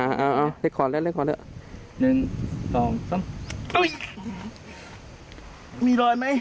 เอาเอาเอาเล็กขอนเล็กเล็กขอนเล็กหนึ่งสองสามอุ้ยมีรอยไหม